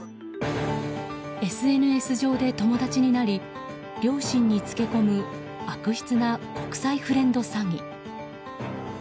ＳＮＳ上で友達になり良心につけ込む悪質な国際フレンド詐欺。